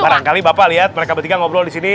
barangkali bapak lihat mereka bertiga ngobrol disini